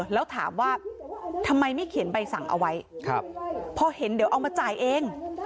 แล้วถามว่าทำไมไม่เขียนใบสั่งเอาไว้พอเห็นเดี๋ยวเอามาจ่ายเอง